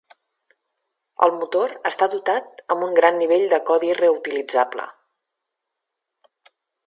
El motor està dotat amb un gran nivell de codi reutilitzable.